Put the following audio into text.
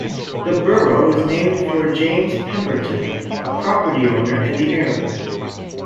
The borough is named for James Pemberton, a property owner in the area.